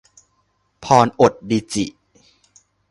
พรอดดิจิ